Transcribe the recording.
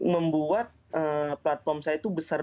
membuat platform saya itu besar